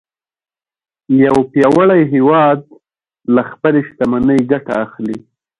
یو پیاوړی هیواد له خپلې شتمنۍ ګټه اخلي